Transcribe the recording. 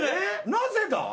なぜだ？